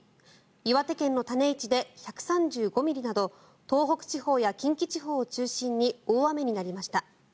岩手県の種市で１３５ミリなど東北地方や近畿地方を中心に大雨になりました。